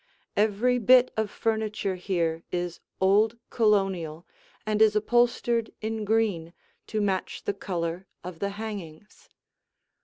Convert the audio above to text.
Every bit of furniture here is old Colonial and is upholstered in green to match the color of the hangings.